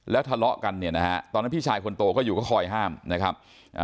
ทะเลาะกันเนี่ยนะฮะตอนนั้นพี่ชายคนโตก็อยู่ก็คอยห้ามนะครับ